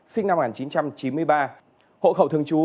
sinh năm một nghìn chín trăm chín mươi ba hộ khẩu thương chú